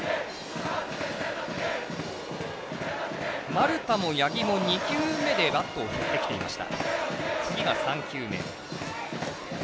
丸田も八木も２球目でバットを振ってきていました。